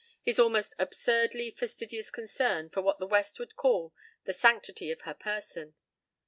His almost absurdly fastidious concern for what the West would call "the sanctity of her person."